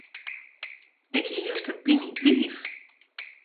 Ik hie juster pine yn 't liif.